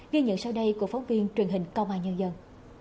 ghi nhận sau đây của phóng viên truyền hình công an nhân dân